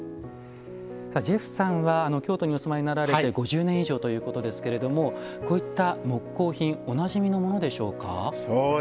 ジェフさんは京都にお住まいになられて５０年以上ということですがこういった木工品おなじみのものでしょうか？